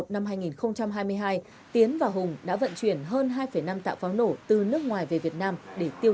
một mươi một năm hai nghìn hai mươi hai tiến và hùng đã vận chuyển hơn hai năm tạng pháo nổ từ nước ngoài về việt nam để tiêu